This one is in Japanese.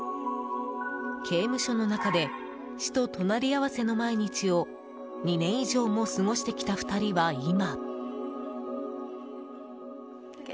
刑務所の中で死と隣り合わせの毎日を２年以上も過ごしてきた２人は今。